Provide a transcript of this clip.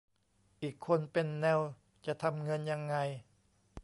อีกคนเป็นแนว จะทำเงินยังไง